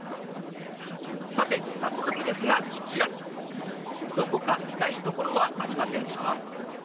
さて早速ですがこちら「どこか痛いところはありませんか？」。